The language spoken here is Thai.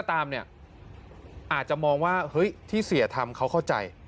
อาจจะมองว่าที่เสียทำเขาเข้าใจ